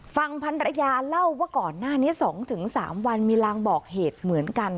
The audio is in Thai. ฟังพันรยาเล่าว่าก่อนหน้านี้๒๓วันมีลางบอกเหตุเหมือนกัน